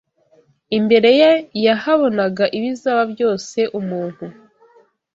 Imbere ye yahabonaga ibizaba byose umuntu